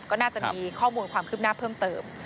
ก็น่าจะมีข้อมูลความคืบหน้าเพิ่มเติม